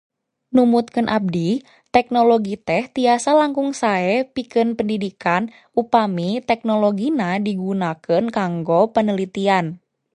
Numutkeun abdi, teknologi teh tiasa langkung sae pikeun pendidikan upami teknologina digunakeun kanggo penelitian.